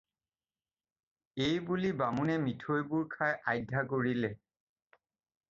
এইবুলি বামুণে মিঠৈবোৰ খাই আধ্যা কৰিলে